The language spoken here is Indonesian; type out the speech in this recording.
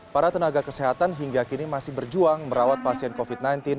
para tenaga kesehatan hingga kini masih berjuang merawat pasien covid sembilan belas